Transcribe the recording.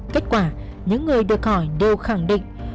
kết quả những người được hỏi đều khẳng định